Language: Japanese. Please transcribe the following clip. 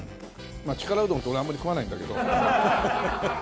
まあ力うどんって俺あんまり食わないんだけど。